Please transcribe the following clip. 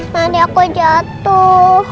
nanti aku jatuh